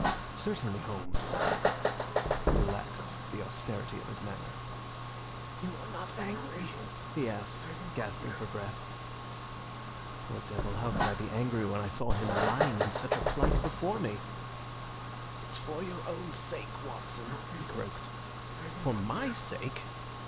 "Certainly, Holmes." He relaxed the austerity of his manner. "You are not angry?" he asked, gasping for breath. Poor devil, how could I be angry when I saw him lying in such a plight before me? "It's for your own sake, Watson," he croaked. "For MY sake?"